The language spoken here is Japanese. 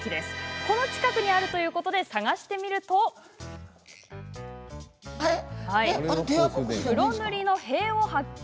この近くにあるということで探してみると黒塗りの塀を発見。